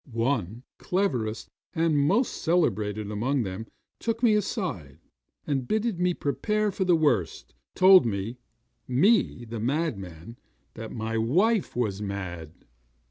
One, the cleverest and most celebrated among them, took me aside, and bidding me prepare for the worst, told me me, the madman! that my wife was mad.